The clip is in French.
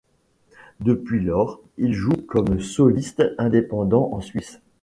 Depuis lors, il joue comme soliste indépendant en Suisse.